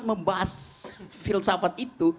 membahas filsafat itu